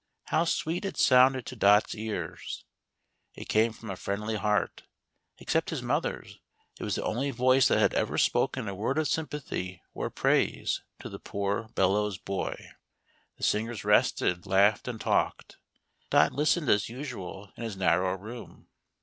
How sweet it sounded to Dot's ears! It came from a friendly heart — except his mother's it was the only voice that had ever spoken a word of sympathy or praise to the poor bellows boy. The singers rested, laughed and talked. Dot listened as usual in his narrow room.